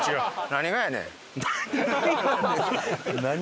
「何がやねん」。